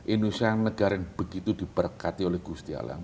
indonesia adalah negara yang begitu diberkati oleh gusti alang